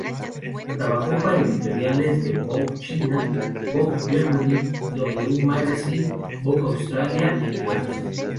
Trabajó para editoriales de Vogue China, Vogue Germany, W Magazine, Vogue Australia, entre otras.